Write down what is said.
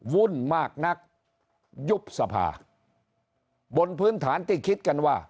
วุ่นมากนักยุบสภาบนพื้นฐานที่คิดกันว่า